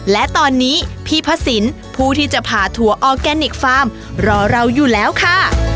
และตอนนี้พี่พระสินผู้ที่จะพาถั่วออร์แกนิคฟาร์มรอเราอยู่แล้วค่ะ